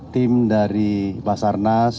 tim dari basarnas